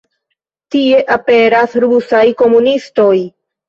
Tie aperas Rusaj komunistoj.